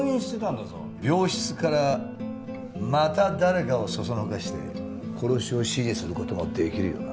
病室からまた誰かを唆して殺しを指示する事もできるよな。